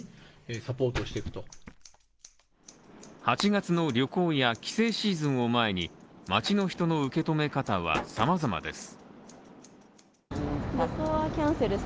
８月の旅行や帰省シーズンを前に、街の人の受け止め方はさまざまです。